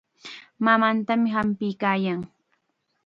Mamaatam hampiykaayan.